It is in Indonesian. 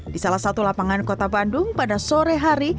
di salah satu lapangan kota bandung pada sore hari